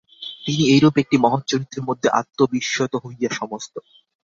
তিনি এইরূপ একটি মহৎ চরিত্রের মধ্যে আত্মবিশ্বত হুইয়া সমস্ত।